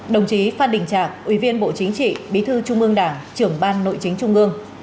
đồng chí phan đình trạc ủy viên bộ chính trị bí thư trung ương đảng trưởng ban nội chính trung ương